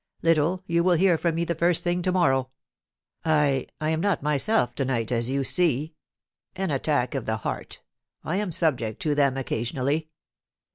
... Little, pu will hear from me the first thing to morrow. I — I am not myself to night, as you see. An attack of the heart I am subject to them occasionally.